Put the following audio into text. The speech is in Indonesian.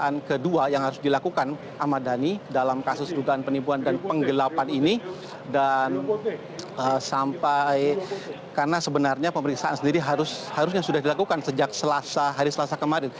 pemeriksaan kedua yang harus dilakukan ahmad dhani dalam kasus dugaan penipuan dan penggelapan ini dan sampai karena sebenarnya pemeriksaan sendiri harusnya sudah dilakukan sejak hari selasa kemarin